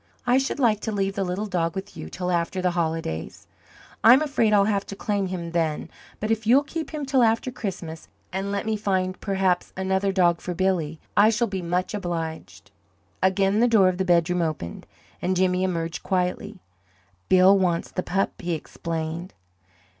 I should like to leave the little dog with you till after the holidays. I'm afraid I'll have to claim him then; but if you'll keep him till after Christmas and let me find, perhaps, another dog for Billy I shall be much obliged." Again the door of the bedroom opened, and Jimmy emerged quietly. "Bill wants the pup," he explained.